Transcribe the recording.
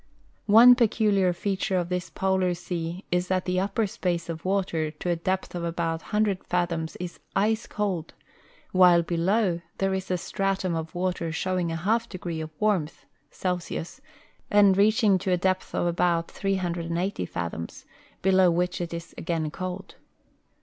One peculiar feature of this Polar sea is that the upper space of Avater to a dc|)th of about 100 fathoms is icc cold, Avhilo below it there is a stratum of Avater shoAviiig a half degree of Avamith (Celsius) aud reaehing to a depth of about 344 THE NANSEN POLAR PJXPEDnTON 380 fathoms, below which it is again cold.